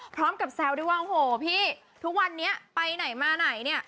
พร้อมกับแซวด้วยว่าโหพี่ทุกวันเนี่ยไปไหนมาไหนเนี่ย